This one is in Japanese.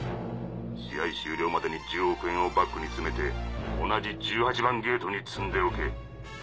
試合終了までに１０億円をバッグに詰めて同じ１８番ゲートに積んでおけ。